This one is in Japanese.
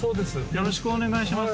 よろしくお願いします